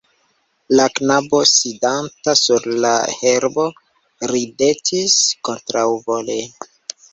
La knabo sidanta sur la herbo ridetis, kontraŭvole.